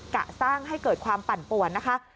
กะสร้างให้เกิดความปั่นป่วนนะคะ